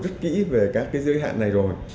rất kỹ về các cái giới hạn này rồi